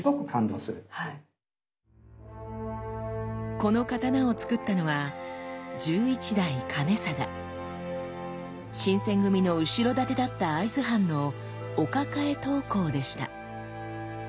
この刀をつくったのは新選組の後ろ盾だった会津藩のお抱え刀工でした。